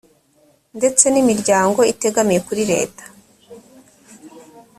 ndetse n imiryango itegamiye kuri leta